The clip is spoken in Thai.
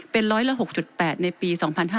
เป็น๑๐๖๘ในปี๒๕๖๓